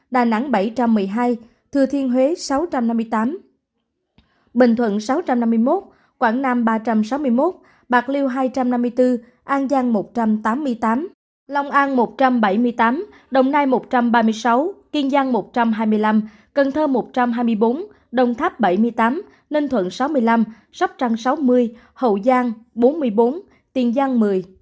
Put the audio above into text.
tây ninh một bảy trăm một mươi hai thừa thiên huế sáu năm mươi tám bình thuận sáu năm mươi một quảng nam ba sáu mươi một bạc liêu hai năm mươi bốn an giang một tám mươi tám lòng an một bảy mươi tám đồng nai một ba mươi sáu kiên giang một hai mươi năm cần thơ một hai mươi bốn đồng tháp bảy tám ninh thuận sáu một mươi năm sóc trăng sáu một mươi hậu giang bốn một mươi bốn tiền giang một mươi